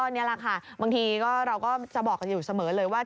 นี่แหละค่ะบางทีเราก็จะบอกกันอยู่เสมอเลยว่า